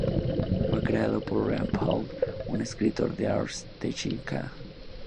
Fue creado por Ryan Paul, un escritor de Ars Technica.